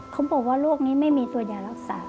เขาบอกว่าโรคนี้ไม่มีตัวยารักษา